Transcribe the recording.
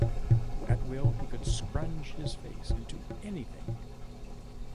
At will, he could "scrunge" his face into anything.